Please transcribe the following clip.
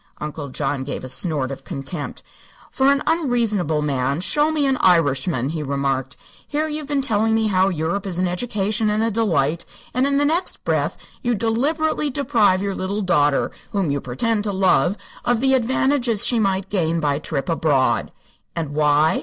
Uncle John gave a snort of contempt. "For an unreasonable man, show me an Irishman," he remarked. "Here you've been telling me how Europe is an education and a delight, and in the next breath you deliberately deprive your little daughter, whom you pretend to love, of the advantages she might gain by a trip abroad! And why?